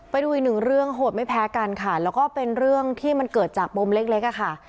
ไปดูอีกหนึ่งเรื่องโหดไม่แพ้กันค่ะแล้วก็เป็นเรื่องที่มันเกิดจากปมเล็กเล็กอะค่ะ